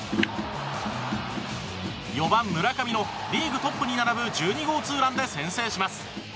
４番、村上のリーグトップに並ぶ１２号ツーランで先制します。